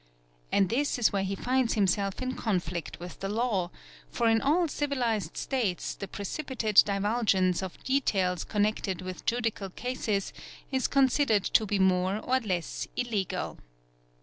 : And this is where he finds himself in conflict with the law, for in all civilised States the precipitate divulgence of details connected with judi cial cases is considered to be more or less illegal.